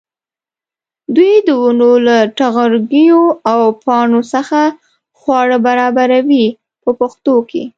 دوی د ونو له نغوړګیو او پاڼو څخه خواړه برابروي په پښتو کې.